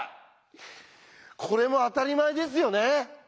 これもあたりまえですよね？